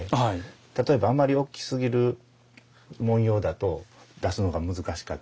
例えばあまり大きすぎる文様だと出すのが難しかったりしたりするし。